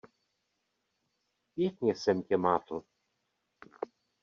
Pěkně jsem tě mátl.